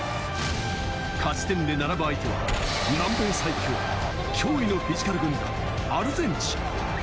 勝ち点で並ぶ相手は南米最強、驚異のフィジカル軍団・アルゼンチン。